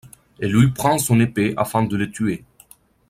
Et lui prend son épée afin de le tuer